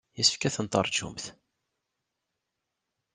Yessefk ad ten-teṛjumt.